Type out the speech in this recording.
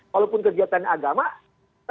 walaupun kegiatan agama